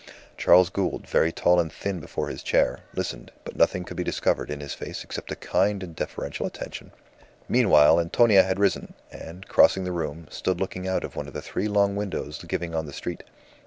Charles Gould, very tall and thin before his chair, listened, but nothing could be discovered in his face except a kind and deferential attention. Meantime, Antonia had risen, and, crossing the room, stood looking out of one of the three long windows giving on the street.